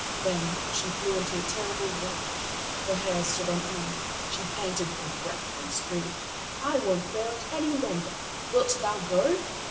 Then she flew into a terrible rage. Her hair stood on end; she panted for breath, and screamed: "I won't bear it any longer; wilt thou go?"